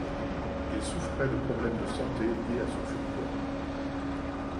Il souffrait de problème de santé liés à son surpoids.